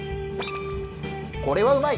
これはうまい！